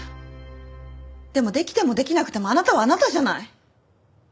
でもできてもできなくてもあなたはあなたじゃない。